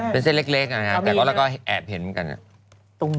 เป็นเส้นเล็กนะครับแต่เราก็แอบเห็นเหมือนกัน